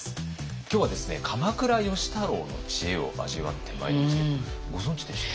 今日はですね鎌倉芳太郎の知恵を味わってまいりますけどご存じでした？